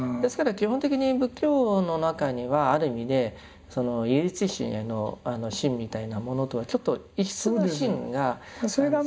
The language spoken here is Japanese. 基本的に仏教の中にはある意味で唯一神への信みたいなものとはちょっと異質な信が存在してた。